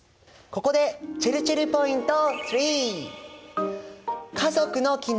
ここでちぇるちぇるポイント３。